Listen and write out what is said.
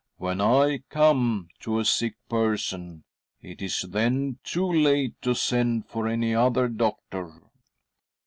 When I •come .to a sick person, it is then too late to send for any other doctor."